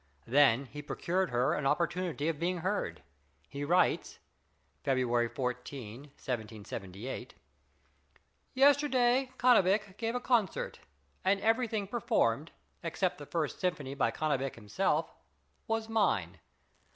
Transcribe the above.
Then he procured her an opportunity of being heard. He writes (February 14, 1778): Yesterday Cannabich gave a concert, and everything performed except the first symphony by Cannabich himself was mine.